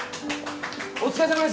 お疲れさまです。